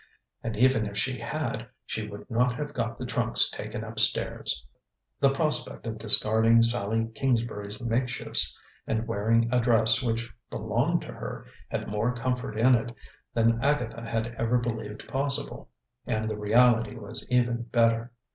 And even if she had, she would not have got the trunks taken up stairs. The prospect of discarding Sallie Kingsbury's makeshifts and wearing a dress which belonged to her had more comfort in it than Agatha had ever believed possible; and the reality was even better.